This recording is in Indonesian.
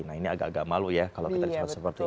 nah ini agak agak malu ya kalau kita lihat seperti itu